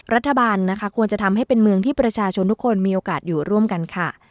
รัฐบาลนะคะควรจะทำให้เป็นเมืองที่ประชาชนทุกคนมีโอกาสอยู่ร่วมกันค่ะ